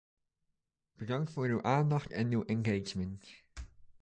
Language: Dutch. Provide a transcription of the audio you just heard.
Bedankt voor uw aandacht en uw engagement.